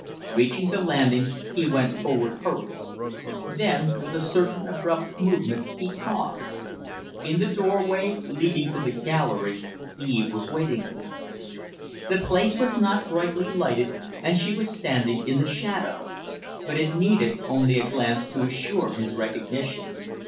Reaching the landing, he went forward hurriedly; then with a certain abrupt movement he paused. In the doorway leading to the gallery Eve was waiting for him. The place was not brightly lighted, and she was standing in the shadow; but it needed only a glance to assure his recognition.